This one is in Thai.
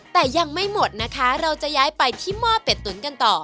แต่ยังไม่หมดนะคะเราจะย้ายไปที่หม้อเป็ดตุ๋นกันต่อ